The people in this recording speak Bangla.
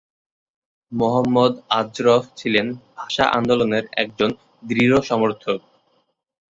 মোহাম্মদ আজরফ ছিলেন ভাষা আন্দোলনের একজন দৃঢ় সমর্থক।